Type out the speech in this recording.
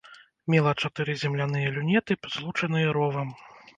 Мела чатыры земляныя люнеты, злучаныя ровам.